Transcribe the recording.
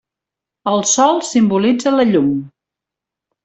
El Sol simbolitza la llum.